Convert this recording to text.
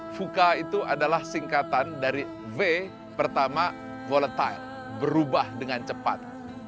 fuka itu adalah singkatan dari v pertama volatile berubah dengan cepat